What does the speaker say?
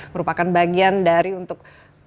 merupakan bagian dari untuk